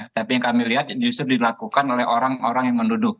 tapi yang kami lihat justru dilakukan oleh orang orang yang menduduk